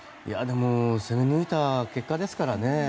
攻め抜いた結果ですからね。